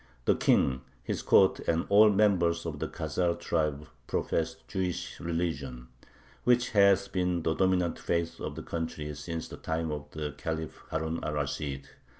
The king, his court, and all members of the Khazar tribe profess the Jewish religion, which has been the dominant faith of the country since the time of the Caliph Harun ar Rashid.